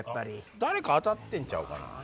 誰か当たってんちゃうかな。